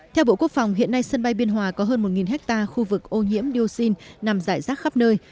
theo bộ quốc phòng hiện nay sân bay biên hòa có hơn một hectare khu vực ô nhiễm dioxin nằm rải rác khắp nơi